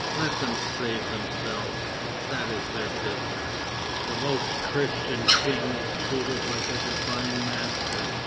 Let them save themselves; that is their business!" The Most Christian King is treated like the Divine Master.